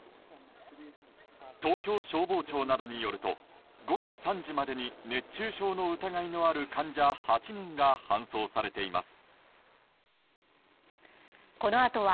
東京消防庁などによると午後３時までに熱中症の疑いのある患者８人が搬送されています。